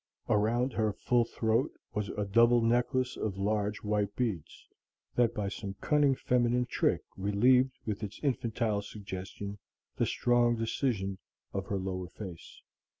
Around her full throat was a double necklace of large white beads, that by some cunning feminine trick relieved with its infantile suggestion the strong decision of her lower face.